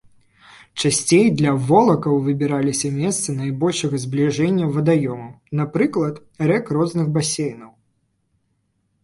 Часцей для волакаў выбіраліся месцы найбольшага збліжэння вадаёмаў, напрыклад рэк розных басейнаў.